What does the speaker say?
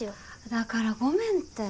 だからごめんて。